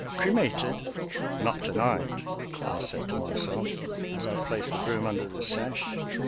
"Cremated? Not tonight!" I said to myself, as I placed the broom under the sash.